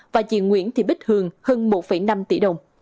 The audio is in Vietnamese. và chị nguyễn thị bích hường hơn một năm tỷ đồng